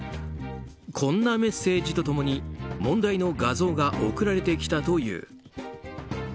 こんなメッセージと共に問題の画像が送られてきたという。